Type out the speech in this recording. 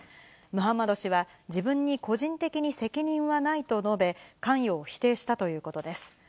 ムハンマド氏は、自分に個人的に責任はないと述べ、関与を否定したということです。